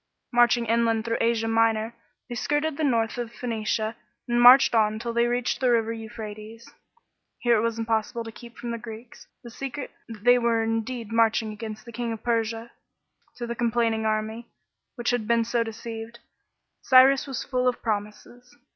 Marching inland through Asia Minor, they skirted the north of Phoenicia and marched on till they reached the river Euphrates. Here it was im possible to keep from the Greeks, the secret, that they were indeed inarching against the King of Persia. To the complaining army, which had been so deceived, Cyrus was full of promises.